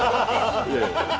いやいや。